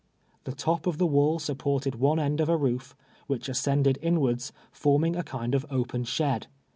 The top of tlie wall sujiported one end of a roof, Avliich ascended inwards, formini; a kind of open shed.